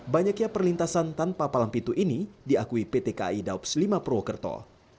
banyaknya perlintasan tanpa palang pintu ini diakui pt kai daups lima pro kerto